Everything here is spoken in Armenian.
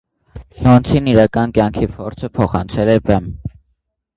Լոնցին իրական կյանքի փորձը փոխանցել է բեմ։